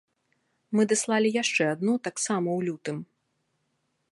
Мы даслалі яшчэ адну, таксама ў лютым.